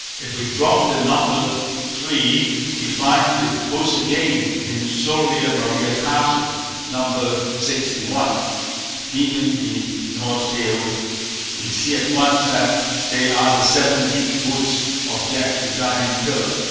If we drop the number three, we find the Boots again in "Soria Moria Castle", No. lvi. [Moe, Introd., xxxii iii] Leaving the Norse Tales, we see at once that they are the seven leagued boots of Jack the Giant Killer.